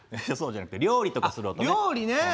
そうじゃなくて料理とかする音ね。